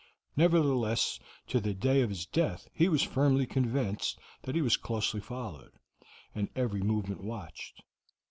Nevertheless, to the day of his death he was firmly convinced that he was closely followed, and every movement watched.